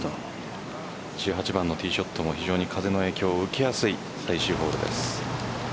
１８番のティーショットも非常に風の影響を受けやすい最終ホールです。